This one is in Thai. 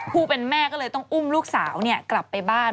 ผู้เป็นแม่ก็เลยต้องอุ้มลูกสาวกลับไปบ้าน